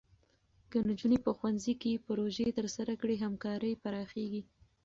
که نجونې په ښوونځي کې پروژې ترسره کړي، همکاري پراخېږي.